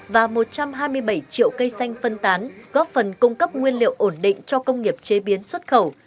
và một trăm hai mươi bảy triệu cây xanh phân tán góp phần cung cấp nguyên liệu ổn định cho công nghiệp chế biến xuất khẩu